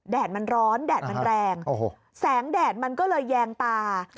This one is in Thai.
ดมันร้อนแดดมันแรงแสงแดดมันก็เลยแยงตา